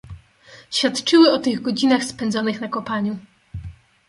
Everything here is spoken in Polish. "Świadczyły o tych godzinach, spędzonych na kopaniu."